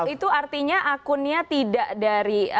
itu artinya akunnya tidak dari